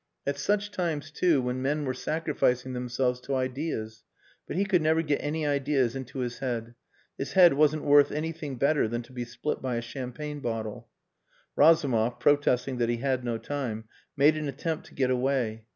At such times, too, when men were sacrificing themselves to ideas. But he could never get any ideas into his head. His head wasn't worth anything better than to be split by a champagne bottle. Razumov, protesting that he had no time, made an attempt to get away.